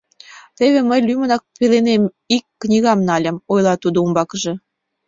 — Теве мый лӱмынак пеленем ик книгам нальым, — ойла тудо умбакыже.